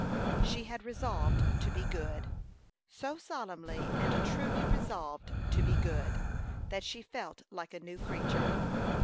She had resolved to be good so solemnly and truly resolved to be good, that she felt like a new creature.